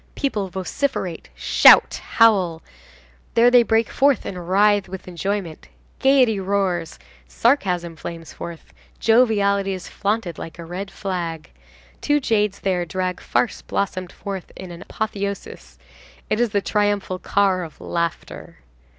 People vociferate, shout, howl, there they break forth and writhe with enjoyment; gayety roars; sarcasm flames forth, joviality is flaunted like a red flag; two jades there drag farce blossomed forth into an apotheosis; it is the triumphal car of laughter.